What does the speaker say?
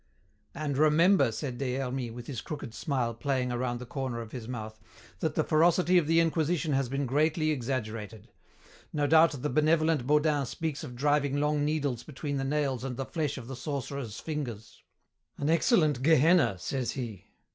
"And remember," said Des Hermies, with his crooked smile playing around the corner of his mouth, "that the ferocity of the Inquisition has been greatly exaggerated. No doubt the benevolent Bodin speaks of driving long needles between the nails and the flesh of the sorcerers' fingers. 'An excellent gehenna,' says he.